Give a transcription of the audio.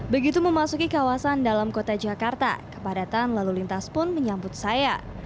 begitu memasuki kawasan dalam kota jakarta kepadatan lalu lintas pun menyambut saya